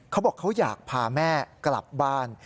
เขาบอกเขาอยากพาแม่กลับบ้าน